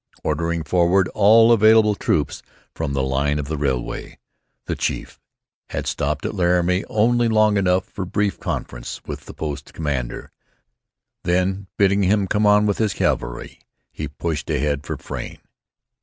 Ordering forward all available troops from the line of the railway, "the Chief" had stopped at Laramie only long enough for brief conference with the post commander; then, bidding him come on with all his cavalry, had pushed ahead for Frayne.